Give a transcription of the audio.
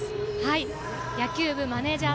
野球部マネージャー